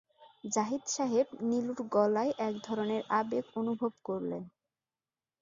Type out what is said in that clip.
জাহিদ সাহেব নীলুর গলায় এক ধরনের আবেগ অনুভব করলেন।